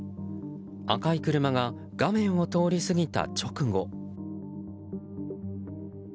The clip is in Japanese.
赤い車が画面を通り過ぎた直後。